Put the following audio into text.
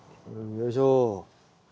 よいしょ。